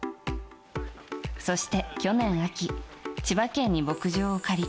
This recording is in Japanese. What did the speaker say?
そして去年秋千葉県に牧場を借り